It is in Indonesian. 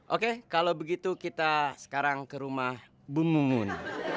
oke kalau begitu kita sekarang ke rumah bu mumun